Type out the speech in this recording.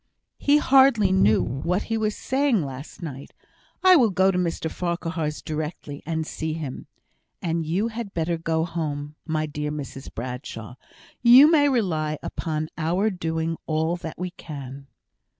"He hardly knew what he was saying last night. I will go to Mr Farquhar's directly, and see him; and you had better go home, my dear Mrs Bradshaw; you may rely upon our doing all that we can."